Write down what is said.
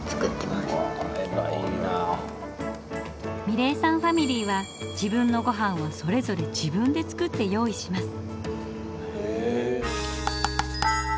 美礼さんファミリーは自分のごはんはそれぞれ自分で作って用意します。